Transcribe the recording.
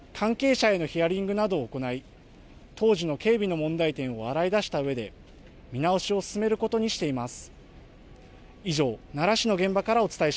今後、関係者へのヒアリングなどを行い当時の警備の問題点を洗い出したうえで見直しを進めることにしています。